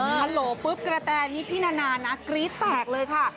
ฮัลโหลปุ๊บกระแตนี่พี่นานานะกรี๊ดแตกเลยค่ะ